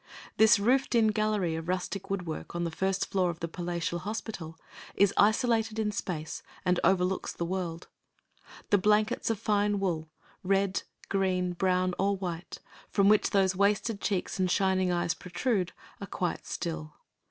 This roofed in gallery of rustic wood work on the first floor of the palatial hospital is isolated in Space and overlooks the world. The blankets of fine wool red, green, brown, or white from which those wasted cheeks and shining eyes protrude are quite still.